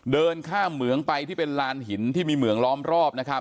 เดินข้ามเหมืองไปที่เป็นลานหินที่มีเหมืองล้อมรอบนะครับ